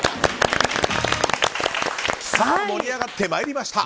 さあ盛り上がってまいりました。